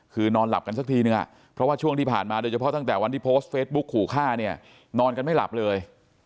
คือนอนหลับกันสักทีนึงเพราะว่าช่วงที่ผ่านมาโดยเฉพาะตั้งแต่วันที่โพสต์เฟซบุ๊กขู่ฆ่าเนี่ยนอนกันไม่หลับเลย